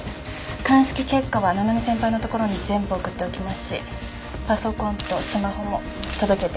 鑑識結果は七波先輩のところに全部送っておきますしパソコンとスマホも届けておきます。